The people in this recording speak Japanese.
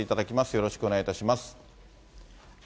よろしくお願いします。